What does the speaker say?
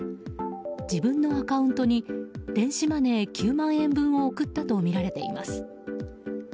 自分のアカウントに電子マネー９万円分を送ったとみられています。